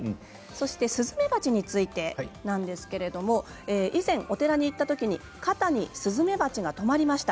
スズメバチについてですが以前、お寺に行ったときに肩にスズメバチがとまりました。